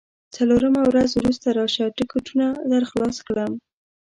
څلورمه ورځ وروسته راشه، ټکونه درخلاص کړم.